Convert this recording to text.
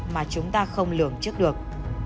mà chúng ta không lường trước được